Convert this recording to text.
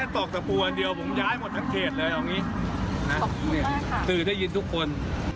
ตอกสุดได้ค่ะนะสื่อได้ยินทุกคน